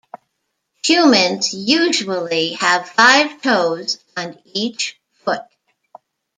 Humans usually have five toes on each foot.